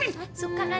suka kan ya